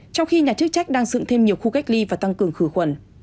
trong khi nhà chức trách đang dựng thêm nhiều khu cách ly và tăng cường khử khuẩn